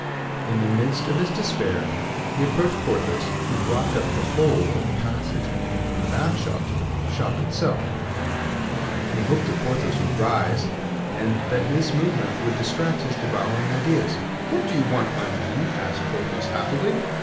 In the midst of his despair, he approached Porthos, who blocked up the whole of the passage leading from the back shop to the shop itself. He hoped that Porthos would rise and that this movement would distract his devouring ideas. "What do you want, my man?" asked Porthos, affably.